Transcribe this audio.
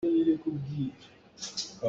Na tlun lai kan i ngeih ngang.